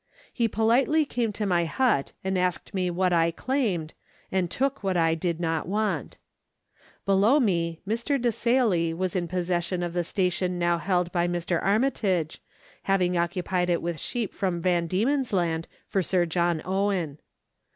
He politely came to my hut and asked me what I claimed, and took what I did not want. Below me, Mr. Desailly was in possession of, the station now held by Mr. Armytage, having occupied it with sheep from Van Diemen's Land for Sir John Owen.